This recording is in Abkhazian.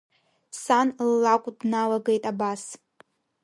Сан ллакә дналагеит абас…